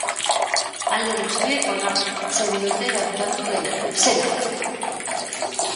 Alde guztiek onartzen dute gertatu zena.